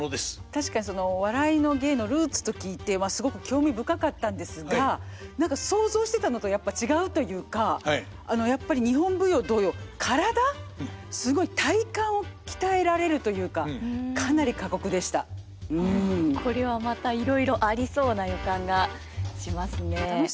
確かに「笑いの芸」のルーツと聞いてすごく興味深かったんですが何か想像してたのとやっぱり違うというかやっぱり日本舞踊同様体すごい体幹を鍛えられるというかこれはまたいろいろありそうな予感がしますね。